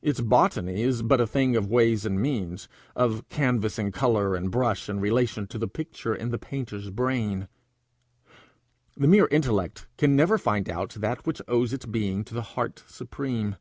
Its botany is but a thing of ways and means of canvas and colour and brush in relation to the picture in the painter's brain. The mere intellect can never find out that which owes its being to the heart supreme.